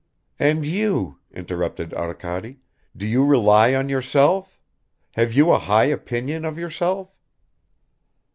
"And you," interrupted Arkady, "do you rely on yourself? Have you a high opinion of yourself?"